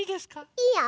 いいよ！